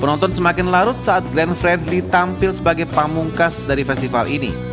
penonton semakin larut saat glenn fredly tampil sebagai pamungkas dari festival ini